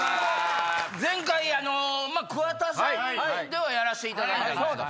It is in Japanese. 前回桑田さんではやらしていただいたんですが。